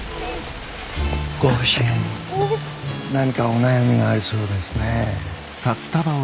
ご婦人何かお悩みがありそうですね。